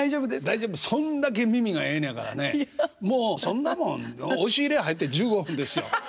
そんだけ耳がええねやからねもうそんなもん押し入れ入って１５分ですよ。